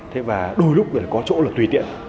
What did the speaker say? thế và đôi lúc có chỗ là tùy tiện